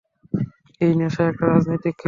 এই নেশা একটা রাজনৈতিক খেলা।